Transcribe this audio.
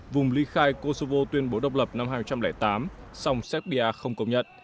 vùng ly khai kosovo tuyên bố độc lập năm hai nghìn tám song serbia không công nhận